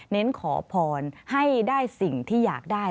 เน้นขอผอนให้ได้สิ่งที่อยากได้